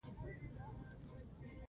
بادام د افغانستان د پوهنې نصاب کې شامل دي.